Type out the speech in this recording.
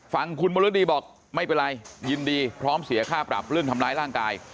ฟังคุณมรดีบอกไม่เป็นไรยินดีพร้อมเสียค่าปรับเรื่องทำร้ายร่างกาย